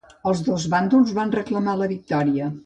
Els dos bàndols van reclamar la victòria.